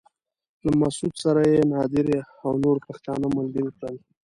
له مسعود سره يې نادري او نور پښتانه ملګري کړل.